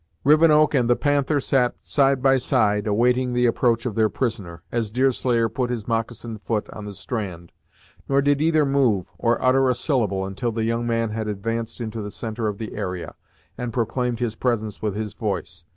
Rivenoak and the Panther sat side by side awaiting the approach of their prisoner, as Deerslayer put his moccasined foot on the strand, nor did either move, or utter a syllable, until the young man had advanced into the centre of the area, and proclaimed his presence with his voice.